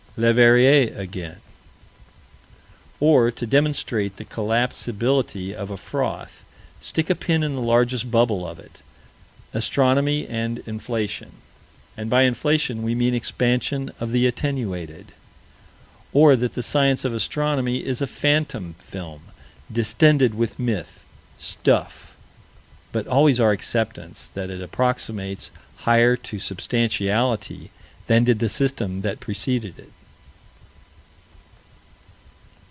Leverrier again. Or to demonstrate the collapsibility of a froth, stick a pin in the largest bubble of it. Astronomy and inflation: and by inflation we mean expansion of the attenuated. Or that the science of Astronomy is a phantom film distended with myth stuff but always our acceptance that it approximates higher to substantiality than did the system that preceded it.